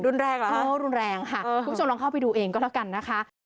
แรกแล้วโอ้รุนแรงค่ะคุณผู้ชมลองเข้าไปดูเองก็แล้วกันนะคะ